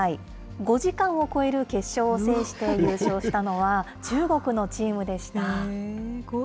５時間を超える決勝を制して優勝したのは中国のチームでした。